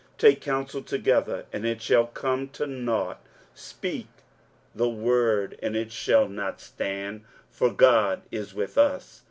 23:008:010 Take counsel together, and it shall come to nought; speak the word, and it shall not stand: for God is with us.